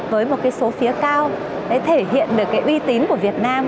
với một số phía cao để thể hiện được cái uy tín của việt nam